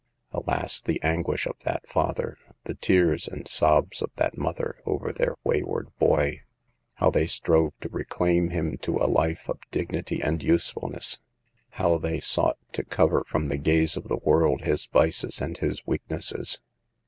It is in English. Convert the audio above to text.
Alas, the anguish of that father, the tears and sobs of that mother, over their wayward boy ! How they strove to reclaim him to a life of dignity and usefulness ! How they sought to cover from the gaze of the world his vices and his weaknesses